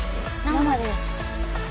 生です。